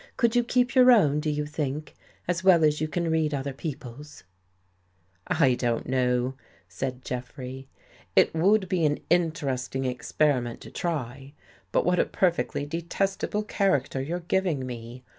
Could you keep your own, do you think, as well as you can read other people's? "" I don't know," said Jeffrey. " It would be an 2 WHAT THEY FOUND IN THE ICE interesting experiment to try. But what a perfectly detestable character you're giving me.